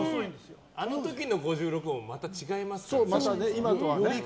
あの時の５６もまた違いますからね。